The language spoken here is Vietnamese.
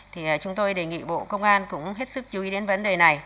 thì chúng tôi đề nghị bộ công an cũng hết sức chú ý đến vấn đề này